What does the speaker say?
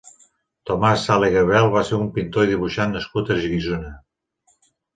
Tomàs Sala i Gabriel va ser un pintor i dibuixant nascut a Guissona.